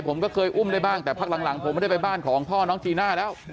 ผมก็เคยอุ้มได้บ้างแต่พักหลังผมไม่ได้ไปบ้านของพ่อน้องจีน่าแล้ว